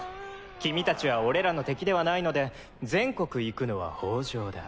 君達は俺らの敵ではないので全国行くのは法城だ。